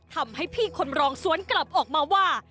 ทำให้พี่คนรองสวนกลับออกมาว่า